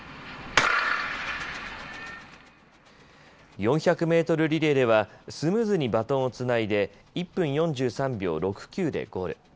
４００メートルリレーではスムーズにバトンをつないで１分４３秒６９でゴール。